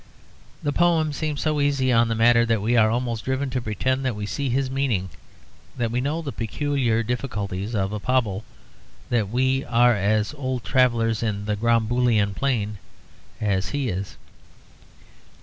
The poet seems so easy on the matter that we are almost driven to pretend that we see his meaning, that we know the peculiar difficulties of a Pobble, that we are as old travellers in the 'Gromboolian Plain' as he is.